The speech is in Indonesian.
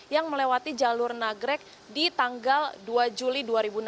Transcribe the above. yang melewati jalur nagrek di tanggal dua juli dua ribu enam belas